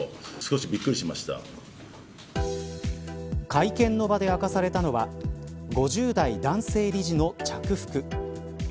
会見の場で明かされたのは５０代男性理事の着服。